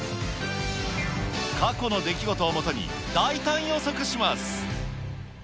過去の出来事をもとに、大胆予測します。